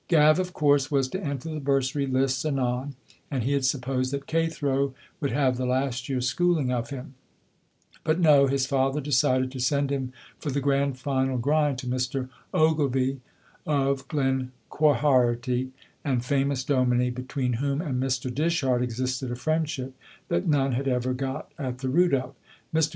Gav of course was to enter the bursary lists anon, and he had supposed that Cathro would have the last year's schooling of him; but no, his father decided to send him for the grand final grind to Mr. Ogilvy of Glen Quharity, a famous dominie between whom and Mr. Dishart existed a friendship that none had ever got at the root of. Mr.